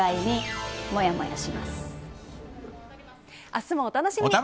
明日もお楽しみに。